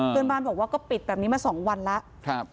เพื่อนบ้านบอกว่าก็ปิดแบบนี้มา๒วันแล้ว